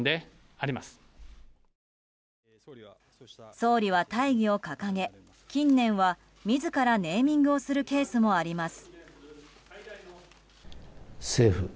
総理は大義を掲げ、近年は自らネーミングをするケースもあります。